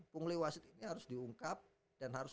punggul wasit ini harus diungkap dan harus